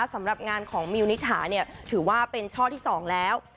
สำหรับงานของมิวนิษฐาเนี่ยถือว่าเป็นช่อที่๒แล้ว